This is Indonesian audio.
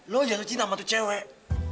lo jangan tuh cinta sama tuh cewek